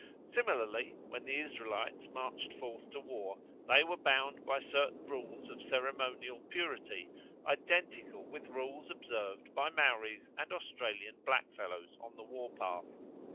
Similarly, when the Israelites marched forth to war they were bound by certain rules of ceremonial purity identical with rules observed by Maoris and Australian blackfellows on the war path.